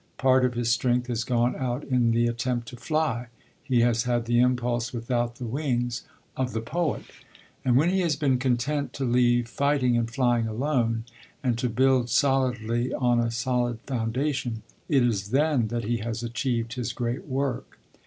Part of his strength has gone out in the attempt to fly: he has had the impulse, without the wings, of the poet. And when he has been content to leave fighting and flying alone, and to build solidly on a solid foundation, it is then that he has achieved his great work.